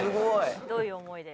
どういう思いで？